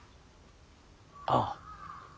ああ。